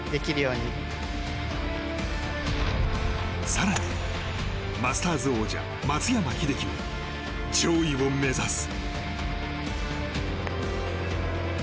更に、マスターズ王者松山英樹も上位を目指す。